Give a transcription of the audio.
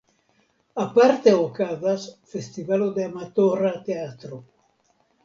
Aparte okazas festivalo de amatora teatro.